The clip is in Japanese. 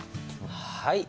はい。